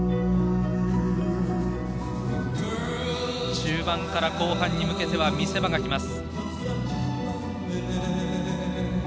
中盤から後半に向けては見せ場が来ます。